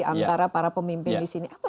antara para pemimpin di sini